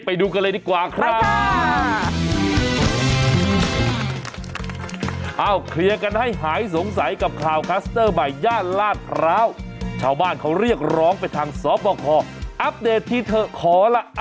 ปะรีบไปดูกันเลยดีกว่า